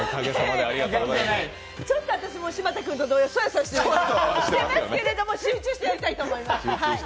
ちょっと私も柴田君と同様、そわそわしていますけども、集中してやりたいと思います。